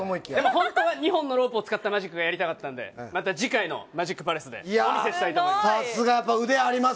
本当は２本のロープを使ったマジックがやりたかったので次回のマジックパレスでお見せしたいと思います。